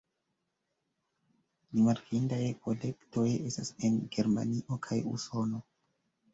Rimarkindaj kolektoj estas en Germanio kaj Usono.